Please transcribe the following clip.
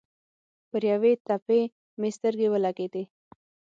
پر یوې تپې مې سترګې ولګېدې.